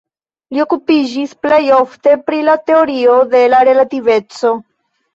Li okupiĝis plej ofte pri la teorio de la relativeco.